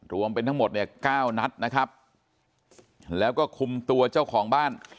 รวมเป็นทั้งหมดเนี่ยเก้านัดนะครับแล้วก็คุมตัวเจ้าของบ้าน